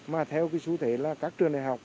mà theo cái xu thế là các trường đại học